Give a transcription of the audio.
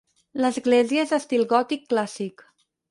L'església és d'estil gòtic clàssic.